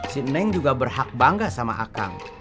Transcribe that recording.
sin neng juga berhak bangga sama akang